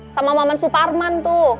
sama maman suparman tuh